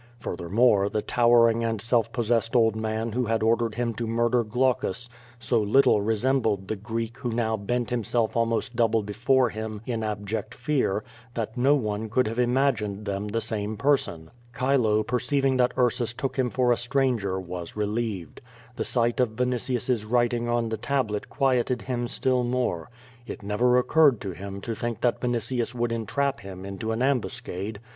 Fur thermore, the towering and self possessed old man who had ordered him to murder Glaucus so little resembled the Greek who now bent himself almost double before him in abject fear, that no one could have imagined them the same person. Chilo perceiving that Ursus took him for a stranger, was re lieved. The sight of Vinitius*6 writing on the tablet quieted him still more. It never occurred to him to think that Vini QUO VADIS, 189 tins would entrap him into an ambuscade.